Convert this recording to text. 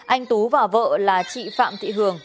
anh tú và vợ là chị phạm thị hường